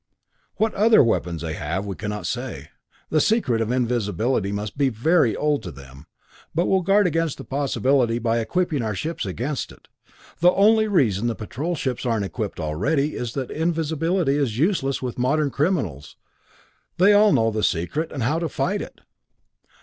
"What other weapons they have we cannot say. The secret of invisibility must be very old to them. But we'll guard against the possibility by equipping our ships against it. The only reason the patrol ships aren't equipped already is that invisibility is useless with modern criminals; they all know the secret and how to fight it."